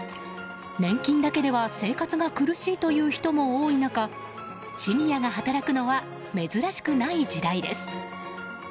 年金だけでは生活が苦しいという人も多い中シニアが働くのは珍しくない時代です。